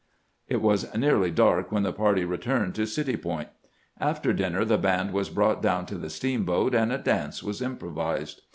It was nearly dark when the party returned to City Point. After dinner the band was brought down to the steamboat, and a dance was improvised.